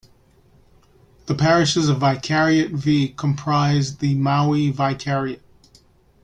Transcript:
The parishes of Vicariate V comprise the Maui Vicariate.